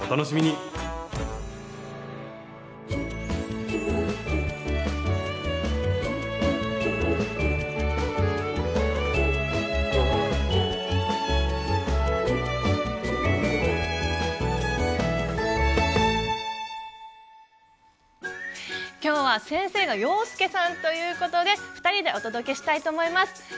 今日は先生が洋輔さんということで二人でお届けしたいと思います。